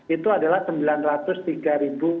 itu adalah sembilan ratus tiga per hari